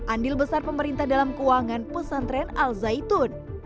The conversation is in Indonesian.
andil besar pemerintah dalam keuangan pesantren al zaitun